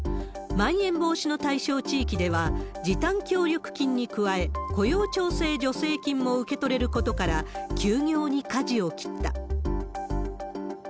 まん延防止の対象地域では、時短協力金に加え、雇用調整助成金も受け取れることから、休業にかじを切った。